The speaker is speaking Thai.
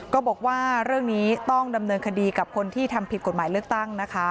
ก็บอกว่าเรื่องนี้ต้องดำเนินคดีกับคนที่ทำผิดกฎหมายเลือกตั้งนะคะ